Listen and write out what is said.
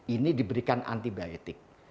ini diberikan antibiotik